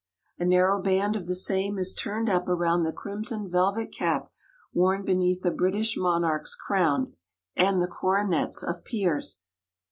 A narrow band of the same is turned up around the crimson velvet cap worn beneath the British monarch's crown and the coronets of peers.